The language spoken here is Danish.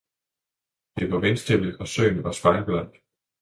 Det var vindstille, og søen var spejlblank.